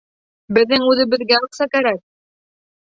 Беҙҙең үҙебеҙгә аҡса кәрәк!